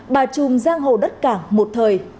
bà trùm giang hồ đất cảng một thời